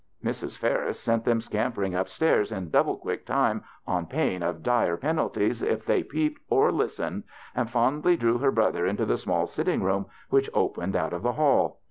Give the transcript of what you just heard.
Mrs. Ferris sent them scampering upstairs in double quick time on 23ain of dire penal ties if they peeped or listened, and fondly drew her brother into the small sitting room which opened out of the hall.